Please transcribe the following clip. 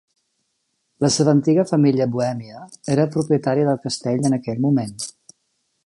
La seva antiga família bohèmia era propietària del castell en aquell moment.